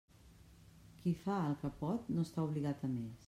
Qui fa el que pot, no està obligat a més.